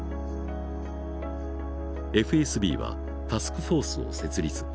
ＦＳＢはタスクフォースを設立。